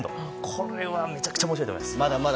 これはめちゃくちゃ面白いと思います。